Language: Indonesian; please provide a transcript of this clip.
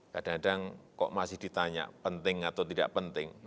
kadang kadang kok masih ditanya penting atau tidak penting